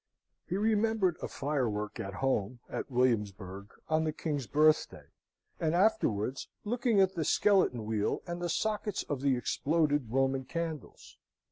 He remembered a firework at home, at Williamsburg, on the King's birthday, and afterwards looking at the skeleton wheel and the sockets of the exploded Roman candles.